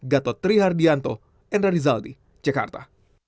gatot trihardianto enra nizaldi jakarta